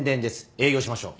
営業しましょう。